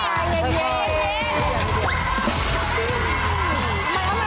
กายเย็นนะ